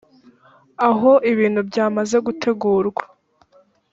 aho ibintu byamaze gutegurwa